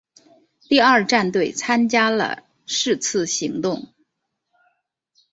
第二战队参加了是次行动。